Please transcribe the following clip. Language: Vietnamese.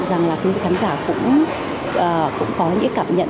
rằng là các khán giả cũng có những cảm nhận